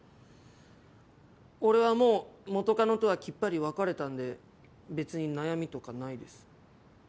俺はもう元カノとはキッパリ別れたんで別に悩みとかないです。